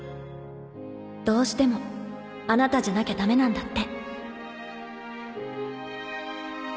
どうしてもあなたじゃなきゃダメなんだって」。